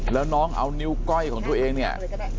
แล้วน้องเอานิ้วก้อยของตัวเองเนี่ย